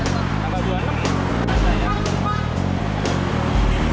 segera tumpang jalur